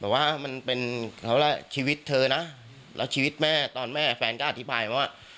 แต่ว่ามันเป็นเขาล่ะชีวิตเธอนะแล้วชีวิตแม่ตอนแม่แฟนก็อธิบายว่า